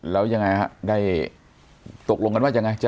แล้วยังไงฮะได้ตกลงกันว่ายังไง